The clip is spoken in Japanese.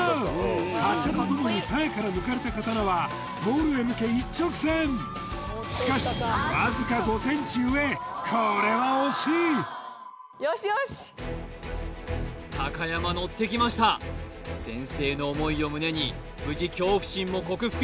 発射とともに鞘から抜かれた刀はボールへ向け一直線しかしこれは惜しい高山ノってきました先生の思いを胸に無事恐怖心も克服